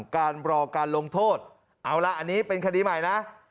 การรอการลงโทษเอาละอันนี้เป็นคดีใหม่นะ